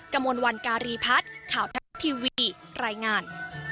กระมวลวันการีพัฒน์ข่าวทรัฐทีวีรายงาน